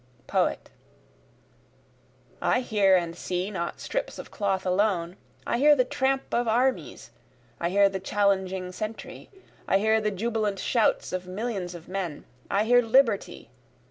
Poet: I hear and see not strips of cloth alone, I hear the tramp of armies, I hear the challenging sentry, I hear the jubilant shouts of millions of men, I hear Liberty!